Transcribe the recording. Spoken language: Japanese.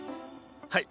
はい。